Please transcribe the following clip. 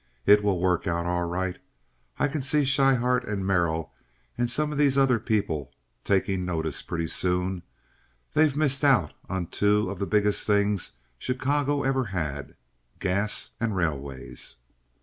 It will work out all right. I can see Schryhart and Merrill and some of these other people taking notice pretty soon. They've missed out on two of the biggest things Chicago ever had—gas and railways."